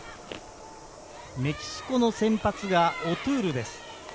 メキシコの先発がオトゥールです。